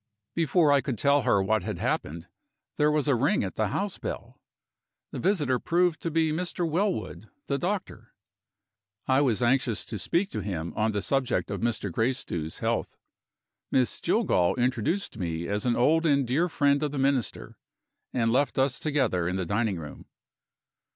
Before I could tell her what had happened, there was a ring at the house bell. The visitor proved to be Mr. Wellwood, the doctor. I was anxious to speak to him on the subject of Mr. Gracedieu's health. Miss Jillgall introduced me, as an old and dear friend of the Minister, and left us together in the dining room.